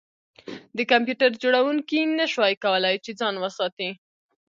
د کمپیوټر جوړونکي نشوای کولی چې ځان وساتي